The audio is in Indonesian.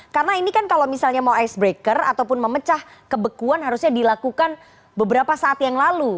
karena ini kan kalau misalnya mau icebreaker ataupun memecah kebekuan harusnya dilakukan beberapa saat yang lalu